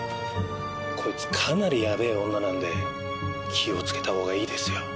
こいつかなりヤベえ女なんで気を付けた方がいいですよ。